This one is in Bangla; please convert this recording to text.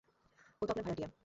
ও তো আপনার ভাড়াটিয়া।